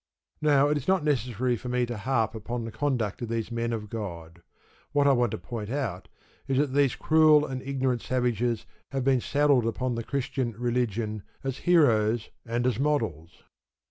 Now, it is not necessary for me to harp upon the conduct of these men of God: what I want to point out is that these cruel and ignorant savages have been saddled upon the Christian religion as heroes and as models.